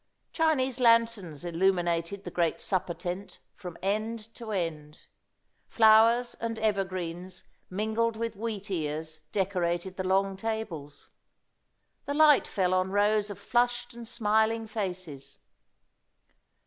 Chinese lanterns illuminated the great supper tent from end to end. Flowers and evergreens, mingled with wheat ears, decorated the long tables. The light fell on rows of flushed and smiling faces.